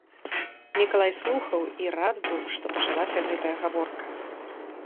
Мікалай слухаў і рад быў, што пачалася гэтая гаворка.